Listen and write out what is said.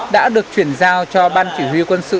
đã được chuyển giao cho ban chỉ huy quân sự